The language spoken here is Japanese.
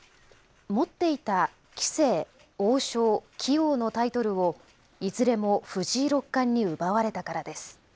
持っていた棋聖、王将、棋王のタイトルをいずれも藤井六冠に奪われたからです。